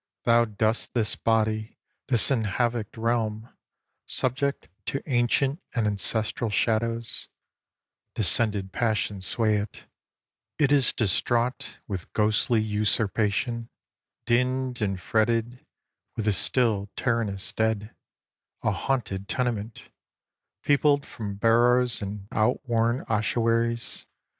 Thou dost this body, this enhavocked realm, Subject to ancient and ancestral shadows; Descended passions sway it; it is distraught With ghostly usurpation, dinned and fretted With the still tyrannous dead; a haunted tenement, Peopled from barrows and outworn ossuaries.